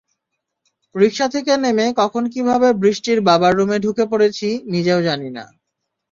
রিকশা থেকে নেমে কখন কীভাবে বৃষ্টির বাবার রুমে ঢুকে পড়েছি, নিজেও জানি না।